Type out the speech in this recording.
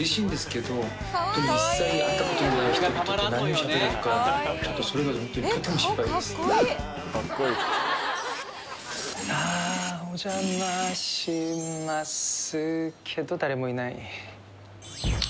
けど誰もいない。